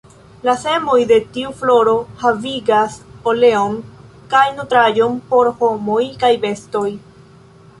La semoj de tiu floro havigas oleon kaj nutraĵon por homoj kaj bestoj.